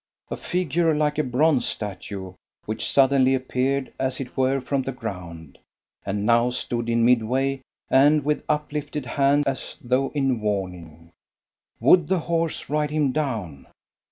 A figure like a bronze statue, which suddenly appeared as it were from the ground, and now stood in midway, and with uplifted hand as though in warning. Would the horses ride him down?